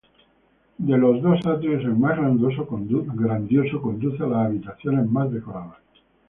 De los dos atrios, el más grandioso conduce a las habitaciones más decoradas.